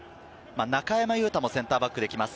中山雄太もセンターバックができます。